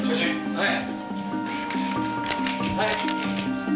はい。